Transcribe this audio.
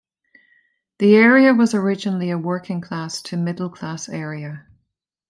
The area was originally a working class to middle class area.